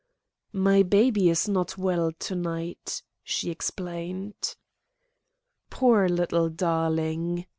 "My baby is not well to night," she explained. "Poor little darling!"